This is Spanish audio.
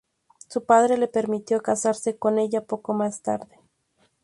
Su padre le permitió casarse con ella poco más tarde.